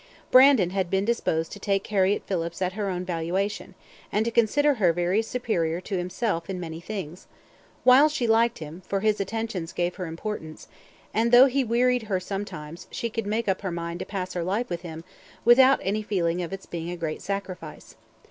Brandon had been disposed to take Harriett Phillips at her own valuation, and to consider her very superior to himself in many things; while she liked him, for his attentions gave her importance; and though he wearied her sometimes, she could make up her mind to pass her life with him without any feeling of its being a great sacrifice.